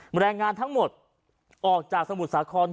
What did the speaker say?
แรงงานทั้งหมดออกจากสมุทรสาคร